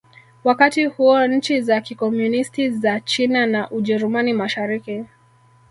Wakati huo nchi za Kikomunisti za China na Ujerumani Mashariki